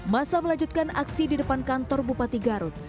masa melanjutkan aksi di depan kantor bupati garut